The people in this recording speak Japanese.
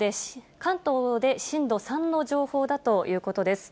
関東で震度３の情報だということです。